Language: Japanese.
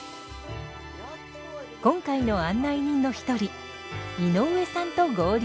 今回の案内人の一人井上さんと合流。